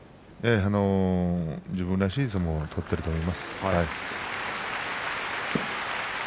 自分らしい相撲を取っていると思います。